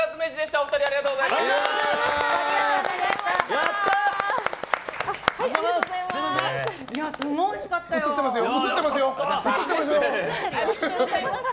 お二人、ありがとうございました。